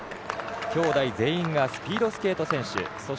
きょうだい全員がスピードスケート選手。